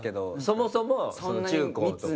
そもそも中高とか。